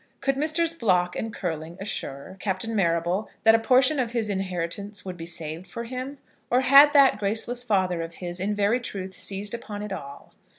Could Messrs. Block and Curling assure Captain Marrable that a portion of his inheritance would be saved for him, or had that graceless father of his in very truth seized upon it all?